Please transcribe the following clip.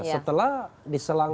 setelah di selang